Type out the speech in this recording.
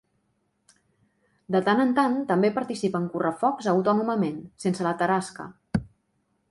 De tant en tant, també participa en correfocs autònomament, sense la Tarasca.